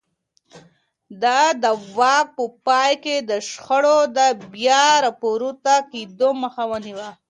ده د واک په پای کې د شخړو د بيا راپورته کېدو مخه ونيوه.